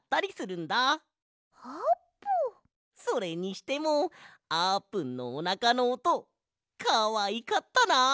それにしてもあーぷんのおなかのおとかわいかったなあ。